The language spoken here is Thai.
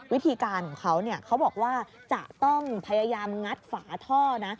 วิธีการของเขาเขาบอกว่าจะต้องพยายามงัดฝาท่อนะ